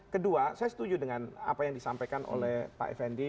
kedua saya setuju dengan apa yang disampaikan oleh pak effendi